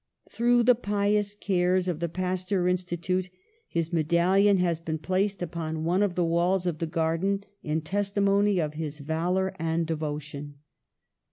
Through the pious cares of the Pasteur Insti tute his medallion has been placed upon one of 160 PASTEUR the walls of the garden, in testimony of his valour and devotion.